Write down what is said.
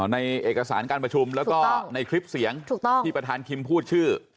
ในเอกสารการประชุมแล้วก็ในคลิปเสียงถูกต้องที่ประธานคิมพูดชื่อ